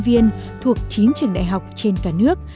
góp đến hàng nghìn sinh viên thuộc chín trường đại học trên cả nước